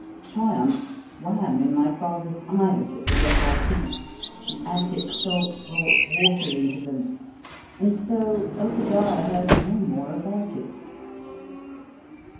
Triumph swam in my father's eyes, at the repartee—the Attic salt brought water into them—and so Obadiah heard no more about it.